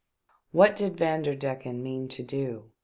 What did Vanderdecken mean to do